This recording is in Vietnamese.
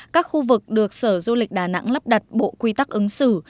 các khu vực được sở du lịch đà nẵng lắp đặt bộ quy tắc ứng xử